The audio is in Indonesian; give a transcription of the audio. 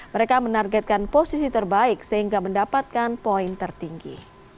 mereka menargetkan posisi terbaik sehingga mendapatkan poin tertinggi